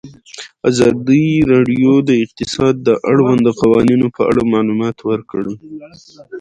ازادي راډیو د اقتصاد د اړونده قوانینو په اړه معلومات ورکړي.